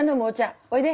おいで。